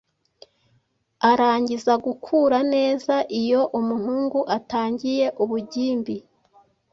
arangiza gukura neza iyo umuhungu atangiye ubugimbi